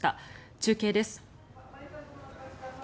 中継です。